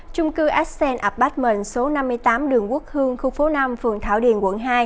trung cư accent apartment số năm mươi tám đường quốc hương khu phố năm phường thảo điền quận hai